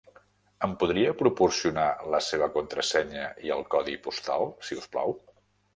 Em podria proporcionar la seva contrasenya i el codi postal, si us plau?